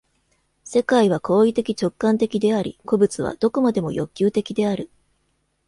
世界は行為的直観的であり、個物は何処までも欲求的である。